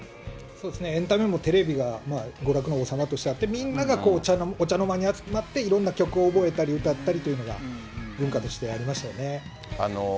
エンタメもテレビが娯楽の王様としてあって、みんながお茶の間に集まって、いろんな曲を覚えたり、歌ったりというのが文化としてありましたよね。